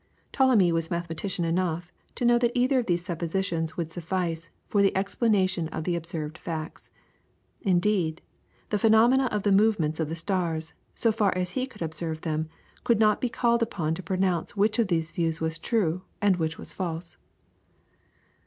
Ptolemy was mathematician enough to know that either of these suppositions would suffice for the explanation of the observed facts. Indeed, the phenomena of the movements of the stars, so far as he could observe them, could not be called upon to pronounce which of these views was true, and which was false.